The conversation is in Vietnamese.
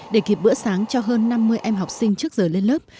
để kịp bữa sáng cho hơn năm mươi em học sinh trước giờ lên lớp